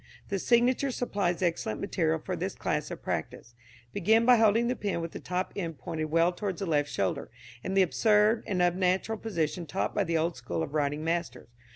The signature supplies excellent material for this class of practice. Begin by holding the pen with the top end pointed well towards the left shoulder, in the absurd and unnatural position taught by the old school of writing masters.